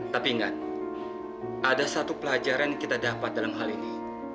tapi ingat ada satu pelajaran yang kita dapat dalam hal ini